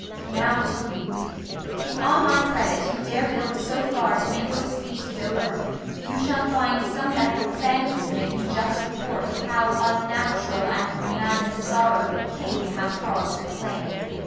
Now to you: If on my credit you dare build so far To make your speed to Dover, you shall find Some that will thank you, making just report Of how unnatural and bemadding sorrow The King hath cause to plain.